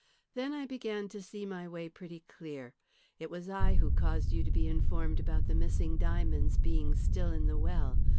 Then I began to see my way pretty clear. It was I who caused you to be informed about the missing diamonds being still in the well.